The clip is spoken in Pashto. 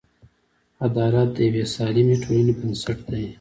عدالت د یوې سالمې ټولنې بنسټ دی.